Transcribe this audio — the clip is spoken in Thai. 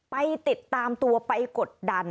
ไปติดตามตัวไปกดดัน